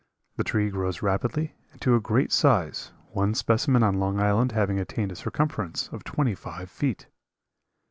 The tree grows rapidly and to a great size, one specimen on Long Island having attained a circumference of twenty five feet.